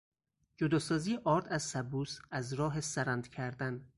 جداسازی آرد از سبوس از راه سرند کردن